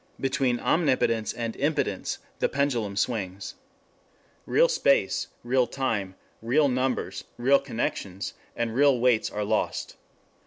Between omnipotence and impotence the pendulum swings. Real space, real time, real numbers, real connections, real weights are lost.